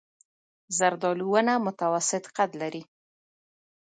زردالو ونه متوسط قد لري.